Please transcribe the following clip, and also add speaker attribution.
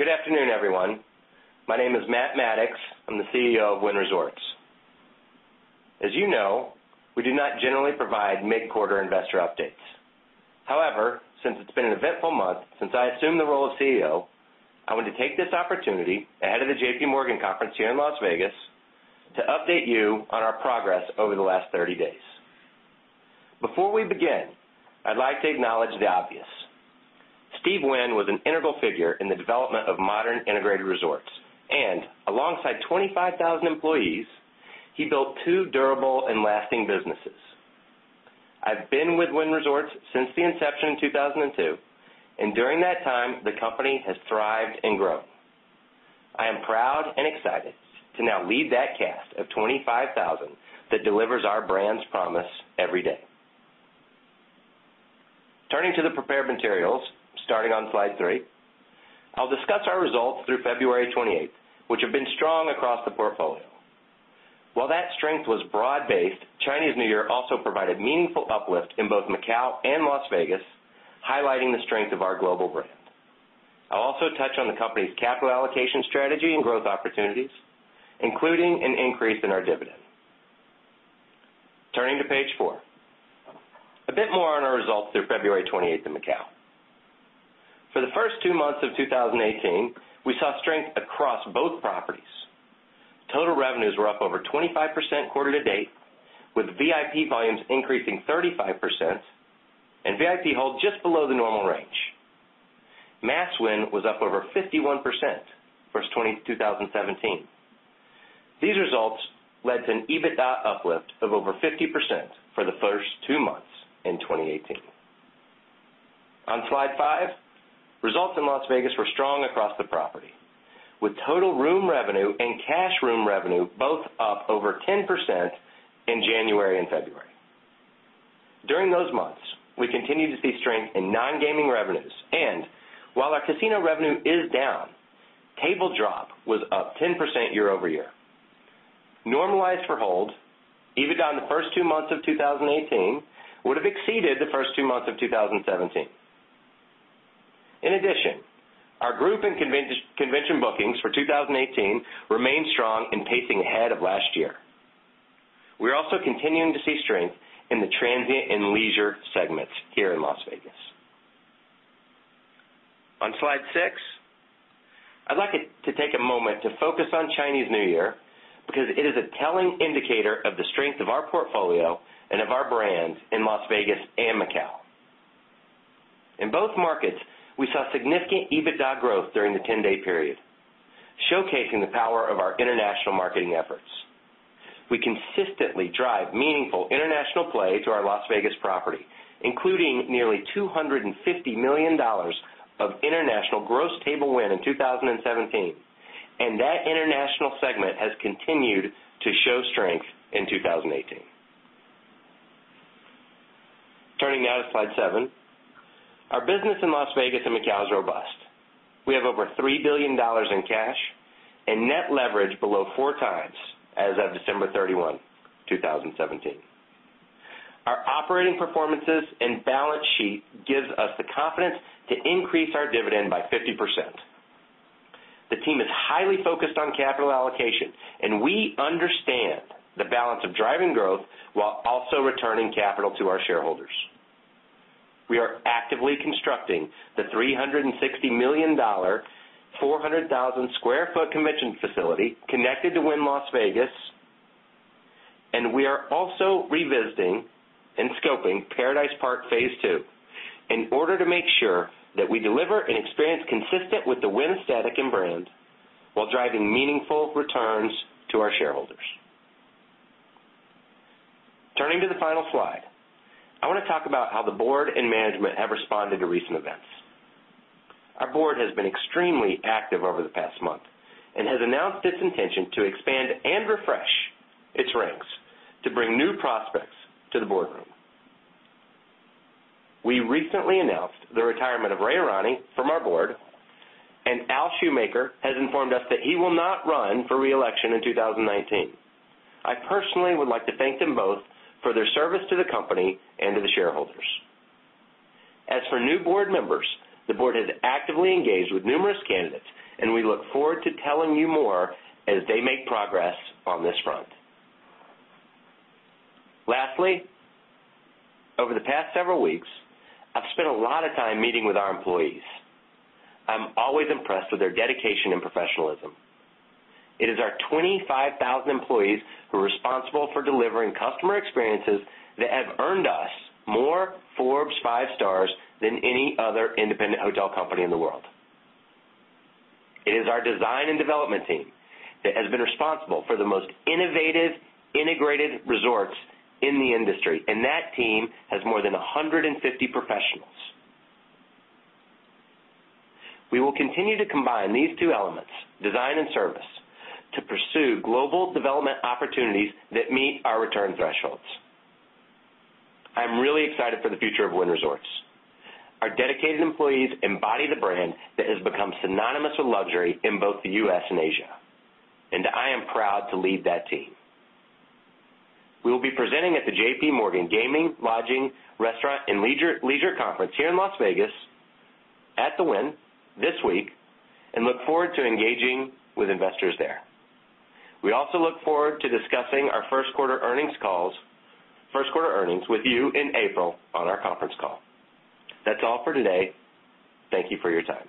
Speaker 1: Good afternoon, everyone. My name is Matt Maddox. I'm the CEO of Wynn Resorts. As you know, we do not generally provide mid-quarter investor updates. However, since it's been an eventful month since I assumed the role of CEO, I want to take this opportunity, ahead of the J.P. Morgan conference here in Las Vegas, to update you on our progress over the last 30 days. Before we begin, I'd like to acknowledge the obvious. Steve Wynn was an integral figure in the development of modern integrated resorts, and alongside 25,000 employees, he built two durable and lasting businesses. I've been with Wynn Resorts since the inception in 2002, and during that time, the company has thrived and grown. I am proud and excited to now lead that cast of 25,000 that delivers our brand's promise every day. Turning to the prepared materials, starting on slide three, I'll discuss our results through February 28th, which have been strong across the portfolio. While that strength was broad-based, Chinese New Year also provided meaningful uplift in both Macau and Las Vegas, highlighting the strength of our global brand. I'll also touch on the company's capital allocation strategy and growth opportunities, including an increase in our dividend. Turning to page four. A bit more on our results through February 28th in Macau. For the first two months of 2018, we saw strength across both properties. Total revenues were up over 25% quarter to date, with VIP volumes increasing 35% and VIP hold just below the normal range. Mass win was up over 51% versus 2017. These results led to an EBITDA uplift of over 50% for the first two months in 2018. On slide five, results in Las Vegas were strong across the property, with total room revenue and cash room revenue both up over 10% in January and February. During those months, we continued to see strength in non-gaming revenues, and while our casino revenue is down, table drop was up 10% year-over-year. Normalized for hold, EBITDA in the first two months of 2018 would have exceeded the first two months of 2017. In addition, our group and convention bookings for 2018 remain strong and pacing ahead of last year. We're also continuing to see strength in the transient and leisure segments here in Las Vegas. On slide six, I'd like to take a moment to focus on Chinese New Year because it is a telling indicator of the strength of our portfolio and of our brands in Las Vegas and Macau. In both markets, we saw significant EBITDA growth during the 10-day period, showcasing the power of our international marketing efforts. We consistently drive meaningful international play to our Las Vegas property, including nearly $250 million of international gross table win in 2017, and that international segment has continued to show strength in 2018. Turning now to slide seven. Our business in Las Vegas and Macau is robust. We have over $3 billion in cash and net leverage below four times as of December 31, 2017. Our operating performances and balance sheet gives us the confidence to increase our dividend by 50%. The team is highly focused on capital allocation, we understand the balance of driving growth while also returning capital to our shareholders. We are actively constructing the $360 million, 400,000 sq ft convention facility connected to Wynn Las Vegas, and we are also revisiting and scoping Paradise Park phase two in order to make sure that we deliver an experience consistent with the Wynn aesthetic and brand while driving meaningful returns to our shareholders. Turning to the final slide, I want to talk about how the board and management have responded to recent events. Our board has been extremely active over the past month and has announced its intention to expand and refresh its ranks to bring new prospects to the boardroom. We recently announced the retirement of Ray Irani from our board, and Al Shoemaker has informed us that he will not run for re-election in 2019. I personally would like to thank them both for their service to the company and to the shareholders. As for new board members, the board has actively engaged with numerous candidates, and we look forward to telling you more as they make progress on this front. Lastly, over the past several weeks, I've spent a lot of time meeting with our employees. I'm always impressed with their dedication and professionalism. It is our 25,000 employees who are responsible for delivering customer experiences that have earned us more Forbes Five Stars than any other independent hotel company in the world. It is our design and development team that has been responsible for the most innovative integrated resorts in the industry, and that team has more than 150 professionals. We will continue to combine these two elements, design and service, to pursue global development opportunities that meet our return thresholds. I'm really excited for the future of Wynn Resorts. Our dedicated employees embody the brand that has become synonymous with luxury in both the U.S. and Asia, and I am proud to lead that team. We will be presenting at the J.P. Morgan Gaming, Lodging, Restaurant, and Leisure Conference here in Las Vegas at the Wynn this week and look forward to engaging with investors there. We also look forward to discussing our first-quarter earnings with you in April on our conference call. That's all for today. Thank you for your time.